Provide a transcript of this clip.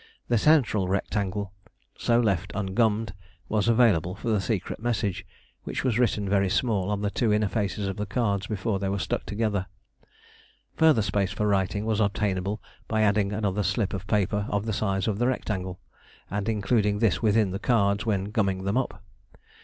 The central rectangle so left ungummed was available for the secret message, which was written very small on the two inner faces of the cards before they were stuck together. Further space for writing was obtainable by adding another slip of paper of the size of the rectangle, and including this within the cards when gumming them up.